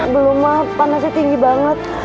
belum mah panasnya tinggi banget